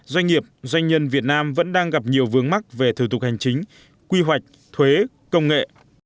doanh nghiệp doanh nhân việt nam vẫn đang gặp nhiều vướng mắc về thủ tục hành chính quy hoạch thuế công nghệ